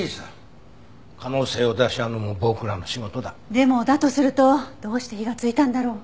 でもだとするとどうして火がついたんだろう？